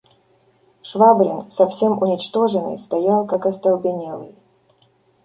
Швабрин, совсем уничтоженный, стоял как остолбенелый.